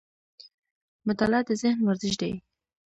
مطالعه د ذهن ورزش دی